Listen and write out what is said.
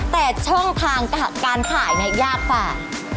แต่ช่องทางการขายเนี่ยยากกว่า